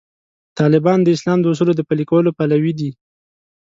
طالبان د اسلام د اصولو د پلي کولو پلوي دي.